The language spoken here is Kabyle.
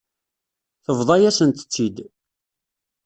Tebḍa-yasent-tt-id.